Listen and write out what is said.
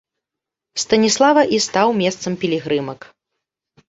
Станіслава і стаў месцам пілігрымак.